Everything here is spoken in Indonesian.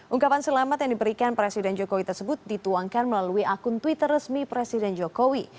ungkapan selamat yang diberikan presiden jokowi tersebut dituangkan melalui akun twitter resmi presiden jokowi